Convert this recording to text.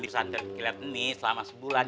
di pesantren kilat ini selama sebulan